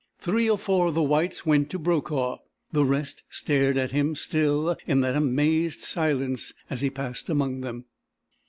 Three or four of the whites went to Brokaw. The rest stared at him still in that amazed silence as he passed among them.